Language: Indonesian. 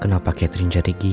kenapa catherine jadi gini